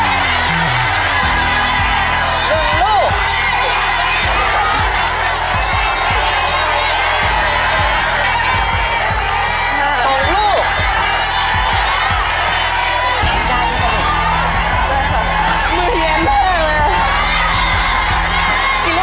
หายแล้ว